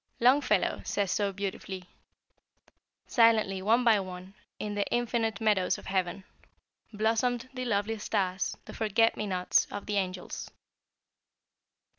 Longfellow says so beautifully: "'Silently, one by one, in the infinite meadows of heaven Blossomed the lovely stars, the forget me nots of the angels.'